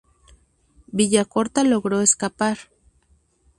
Villacorta logró escapar.